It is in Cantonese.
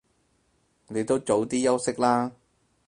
你都早啲休息啦